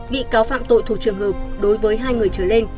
bị cáo phạm tội thuộc trường hợp đối với hai người trở lên